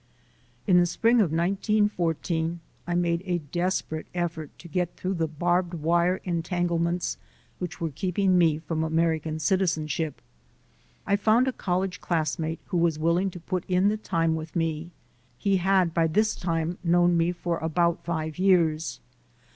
In the spring of 1914 I made a desperate effort to get through the barbedwire entanglements which were keeping me from American citizenship. I found a college classmate who was willing to put in the time with me. He had by this time known me for about five years.